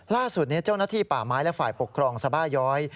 ล่าสุดเจ้าหน้าที่ป่าไม้และฝ่ายปกครองสบาย้อย